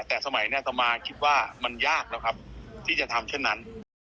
แต่สมัยนั้นต่อมาคิดว่ามันยากแล้วครับที่จะทำเช่นนั้น